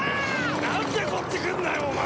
なんでこっち来るんだよお前！